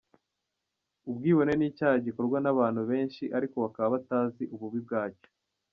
Ubwibone ni icyaha gikorwa n’abantu benshi ariko bakaba batazi ububi bwacyo.